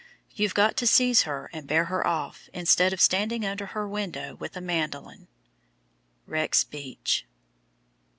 You've got to seize her and bear her off, instead of standing under her window with a mandolin." Rex Beach.